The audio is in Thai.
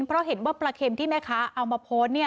เพราะพี่ก็เห็นว่าปลาเข็มที่แม่คะเอามาโพสต์